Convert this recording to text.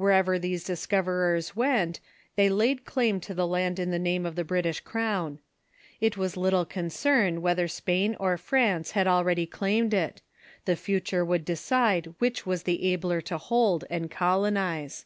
Wher ever these discoverers went they laid claim to the land in the name of the British crown. It was little concern whether Spain or France had already claimed it. The future would decide which was the abler to hold and colonize.